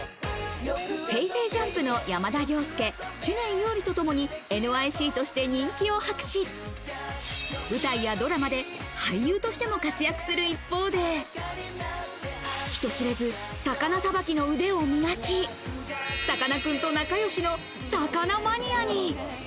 ＪＵＭＰの山田涼介、知念侑李とともにＮＹＣとして人気を博し、舞台やドラマで俳優としても活躍する一方で、人知れず、魚さばきの腕を磨き、さかなクンと仲よしの魚マニアに。